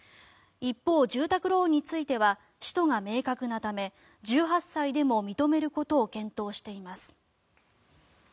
一方、住宅ローンについては使途が明確なため１８歳でも認めることを検討しています。